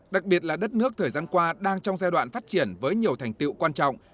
đặc biệt là đất nước thời gian qua đang trong giai đoạn phát triển với nhiều thành tiệu quan trọng